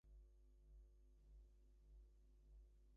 Irvoas had been photographing a streetlamp for his company catalog.